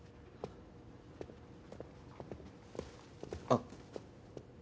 あっ。